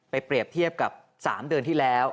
เปรียบเทียบกับ๓เดือนที่แล้ว